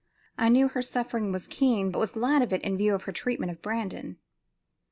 I knew her suffering was keen, but was glad of it in view of her treatment of Brandon.